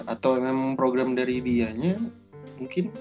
atau memang program dari dianya mungkin